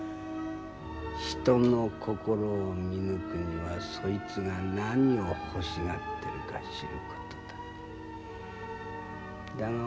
人の心を見抜くにはそいつが何を欲しがってるか知る事だ。